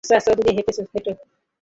আচ্ছা আচ্ছা, ওদিকেরই হোটেল।